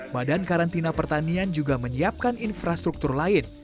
badan karantina pertanian juga menyiapkan infrastruktur lain